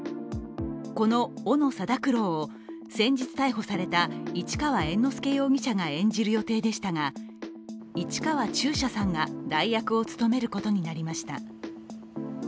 この斧定九郎を先日逮捕された市川猿之助容疑者が演じる予定でしたが、市川中車さんが代役を務めることになりました。